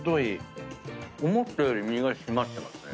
思ったより身が締まってますね。